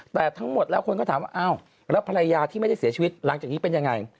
แต่ทั้งหมดแล้วคนก็ถามว่าอ้าวแล้วภรรยาที่ไม่ได้เสียชีวิตหลังจากนี้เป็นยังไง